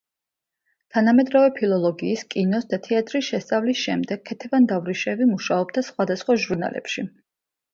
თანამედროვე ფილოლოგიის, კინოს და თეატრის შესწავლის შემდეგ, ქეთევან დავრიშევი მუშაობდა სხვადასხვა ჟურნალებში.